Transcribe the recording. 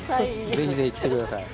ぜひぜひ来てください。